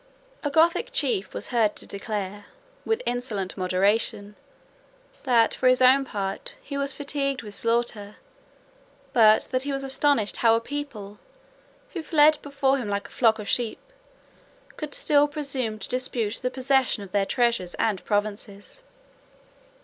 A Gothic chief was heard to declare, with insolent moderation, that, for his own part, he was fatigued with slaughter: but that he was astonished how a people, who fled before him like a flock of sheep, could still presume to dispute the possession of their treasures and provinces.